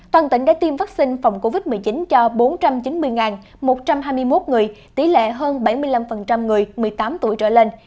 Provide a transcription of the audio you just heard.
toàn tỉnh đã tiêm vaccine phòng covid một mươi chín cho bốn trăm chín mươi một trăm hai mươi một người tỷ lệ hơn bảy mươi năm người một mươi tám tuổi trở lên